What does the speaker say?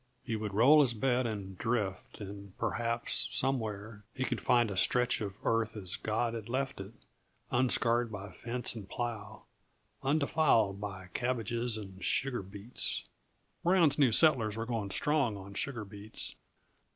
He would roll his bed and drift; and perhaps, somewhere, he could find a stretch of earth as God had left it, unscarred by fence and plow, undefiled by cabbages and sugar beets (Brown's new settlers were going strong on sugar beets).